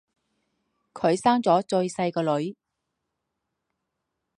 她生了最小的女儿